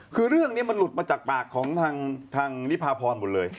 คือเรื่องนี้มันหลุดมาจากปากของทางนิพาพรหมดเลย